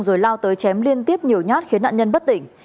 rồi lao tới chém liên tiếp nhiều nhát khiến nạn nhân bất tỉnh